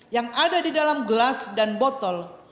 yang ada di dalam gelas dan botol